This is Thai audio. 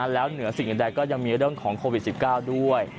แล้วเหนือสิ่งอื่นใดก็ยังมีเรื่องของโควิด๑๙ด้วย